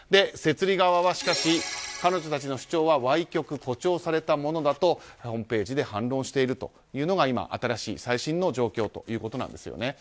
摂理側はしかし彼女たちの主張は歪曲・誇張されたものだとホームページで反論しているというのが最新の状況ということなんです。